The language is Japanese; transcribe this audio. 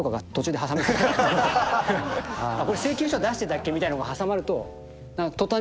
これ請求書出してたっけみたいのが挟まると。